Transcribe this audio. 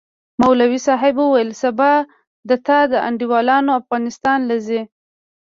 مولوي صاحب وويل سبا د تا انډيوالان افغانستان له زي.